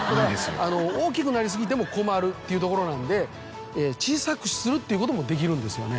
大きくなり過ぎても困るっていうところなんで小さくするっていうこともできるんですよね。